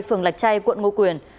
phường lạch chay quận ngô quyền